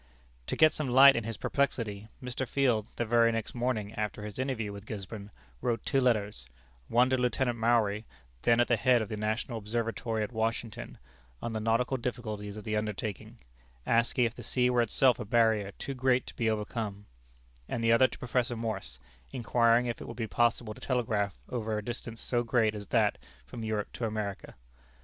To get some light in his perplexity, Mr. Field, the very next morning after his interview with Gisborne, wrote two letters, one to Lieutenant Maury, then at the head of the National Observatory at Washington, on the nautical difficulties of the undertaking, asking if the sea were itself a barrier too great to be overcome; and the other to Professor Morse, inquiring if it would be possible to telegraph over a distance so great as that from Europe to America?